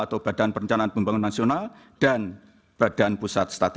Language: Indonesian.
atau badan perencanaan pembangunan nasional dan badan pusat statistik